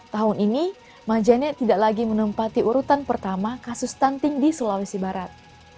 tahun ini majene tidak lagi menempati urutan pertama kasus stunting di sulawesi barat